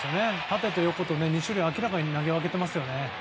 縦と横と２種類明らかに投げ分けてますね。